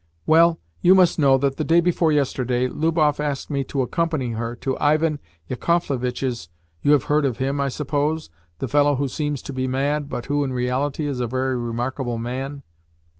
Well, you must know that the day before yesterday Lubov asked me to accompany her to Ivan Yakovlevitch's (you have heard of him, I suppose? the fellow who seems to be mad, but who, in reality, is a very remarkable man).